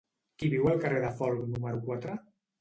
Qui viu al carrer de Folc número quatre?